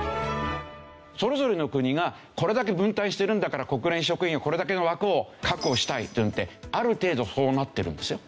それぞれの国がこれだけ分担してるんだから国連職員をこれだけの枠を確保したいといってある程度そうなってるんですよ。